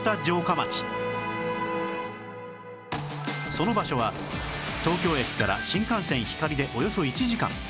その場所は東京駅から新幹線ひかりでおよそ１時間